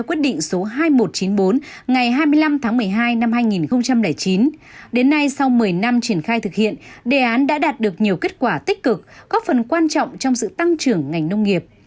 trong năm triển khai thực hiện đề án đã đạt được nhiều kết quả tích cực góp phần quan trọng trong sự tăng trưởng ngành nông nghiệp